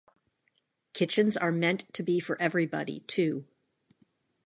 Kitchens are meant to be for everybody too.